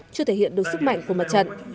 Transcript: chưa thể hiện được sức mạnh của mặt trận